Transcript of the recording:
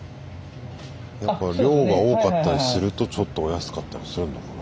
やっぱ量が多かったりするとちょっとお安かったりするのかな。